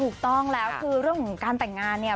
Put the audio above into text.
ถูกต้องแล้วคือเรื่องของการแต่งงานเนี่ย